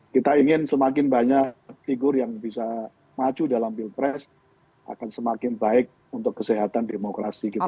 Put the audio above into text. kita ingin semakin banyak figur yang bisa maju dalam pilpres akan semakin baik untuk kesehatan demokrasi kita